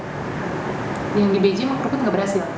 yang di beji di krukut nggak berhasil